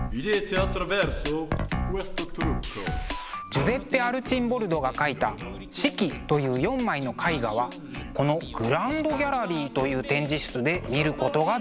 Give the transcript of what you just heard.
ジュゼッペ・アルチンボルドが描いた「四季」という４枚の絵画はこのグランドギャラリーという展示室で見ることができます。